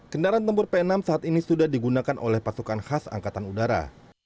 kendaraan tempur p enam saat ini sudah digunakan oleh pasukan khas angkatan udara